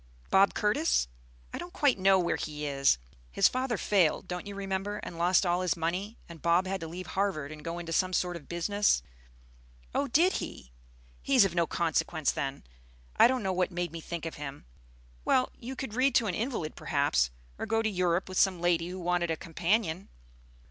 "Bob Curtis? I don't quite know where he is. His father failed, don't you remember, and lost all his money, and Bob had to leave Harvard and go into some sort of business?" "Oh, did he? He's of no consequence, then. I don't know what made me think of him. Well, you could read to an invalid, perhaps, or go to Europe with some lady who wanted a companion."